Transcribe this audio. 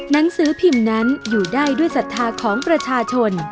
หนังสือพิมพ์นั้นอยู่ได้ด้วยศรัทธาของประชาชน